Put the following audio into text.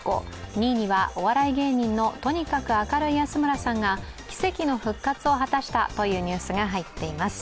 ２位にはお笑い芸人のとにかく明るい安村さんが奇跡の復活を果たしたというニュースが入っています。